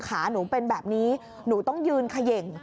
ขาหนูเป็นแบบนี้หนูต้องยืนเขย่ง